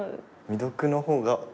未読の方が多い？